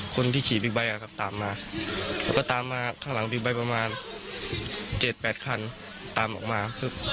คนที่ขี่บิ๊กไบท์ตามมาแล้วก็ตามมาข้างหลังบิ๊กไบท์ประมาณ๗๘คันตามออกมา